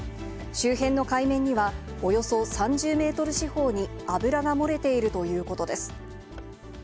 周辺の海面には、およそ３０メートル四方に油が漏れているということです。